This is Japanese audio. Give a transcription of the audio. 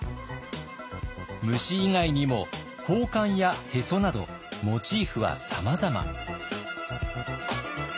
虫以外にも宝冠やへそなどモチーフはさまざま。